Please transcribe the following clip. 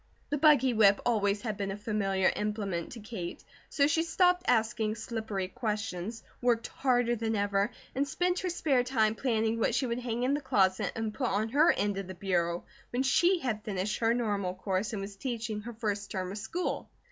The buggy whip always had been a familiar implement to Kate, so she stopped asking slippery questions, worked harder than ever, and spent her spare time planning what she would hang in the closet and put on her end of the bureau when she had finished her Normal course, and was teaching her first term of school.